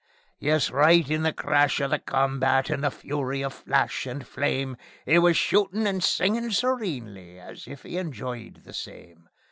Yes; right in the crash of the combat, in the fury of flash and flame, 'E was shootin' and singin' serenely as if 'e enjoyed the same.